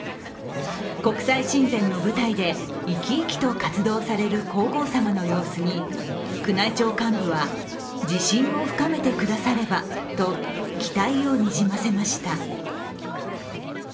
国際親善の舞台で生き生きと活動される皇后さまの様子に、宮内庁幹部は、自信を深めてくださればと期待をにじませました。